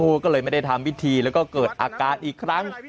ก็เลยไม่ได้ทำพิธีแล้วก็เกิดอาการอีกครั้ง